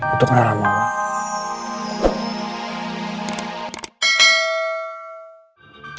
itu kan alamak